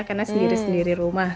karena sendiri sendiri rumah